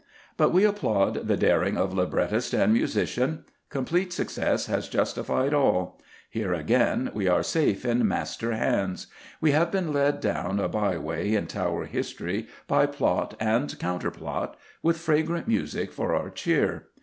But we applaud the daring of librettist and musician; complete success has justified all. Here, again, we are safe in master hands. We have been led down a by way in Tower history by plot and counter plot, with fragrant music for our cheer.